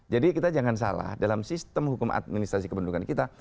jadi kita jangan salah dalam sistem hukum administrasi kependudukan kita